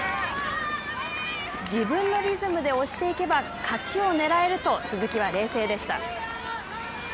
自分のリズムで押していけば勝ちをねらえると鈴木は冷静でした。